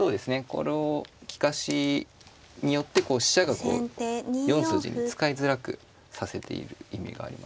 この利かしによって飛車がこう４筋に使いづらくさせている意味がありますね。